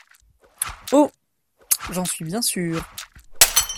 Oh ! j'en suis bien sûr.